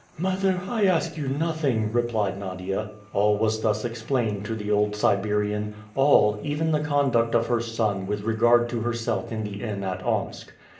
"Mother, I ask you nothing," replied Nadia. All was thus explained to the old Siberian, all, even the conduct of her son with regard to herself in the inn at Omsk.